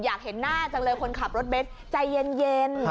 อยากเห็นหน้าจังเลยคนขับรถเบสใจเย็น